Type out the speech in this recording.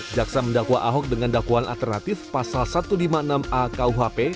jaksa mendakwa ahok dengan dakwaan alternatif pasal satu ratus lima puluh enam a kuhp